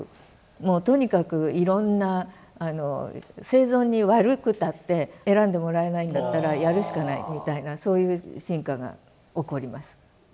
もうとにかくいろんな生存に悪くたって選んでもらえないんだったらやるしかないみたいなそういう進化が起こります。